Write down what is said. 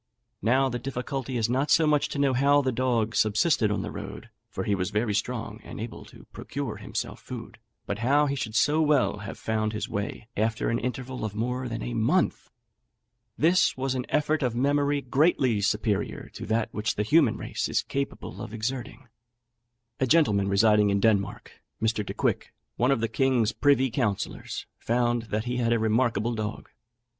Now the difficulty is not so much to know how the dog subsisted on the road (for he was very strong, and able to procure himself food), but how he should so well have found his way after an interval of more than a month! This was an effort of memory greatly superior to that which the human race is capable of exerting." A gentleman residing in Denmark, Mr. Decouick, one of the king's privy councillors, found that he had a remarkable dog.